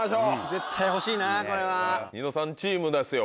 絶対欲しいなこれは。